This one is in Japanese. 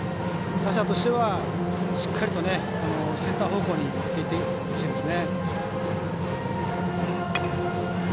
打者としてはしっかりとセンター方向に向けて打ってほしいですね。